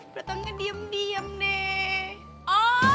beratangnya diem diem deh